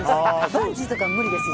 バンジーとか無理です